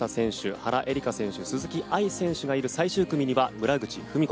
原英莉花選手、鈴木愛選手がいる最終組は村口史子